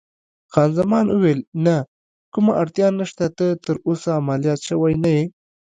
خان زمان وویل: نه، کومه اړتیا نشته، ته تراوسه عملیات شوی نه یې.